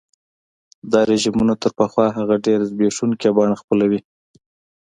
دا رژیمونه تر پخوا هغه ډېره زبېښونکي بڼه خپلوي.